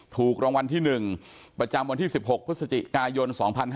ถูกรางวัลที่๑ประจำวันที่๑๖พฤศจิกายน๒๕๕๙